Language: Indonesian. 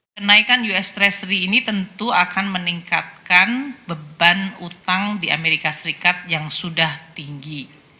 kenaikan us treasury ini tentu akan meningkatkan beban utang di amerika serikat yang sudah tinggi